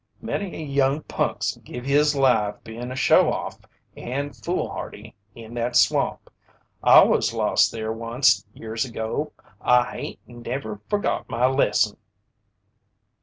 "Many a young punk's give his life being show off and foolhardy in that swamp. I was lost there oncst years ago. I hain't never forgot my lesson."